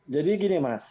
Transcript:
jadi gini mas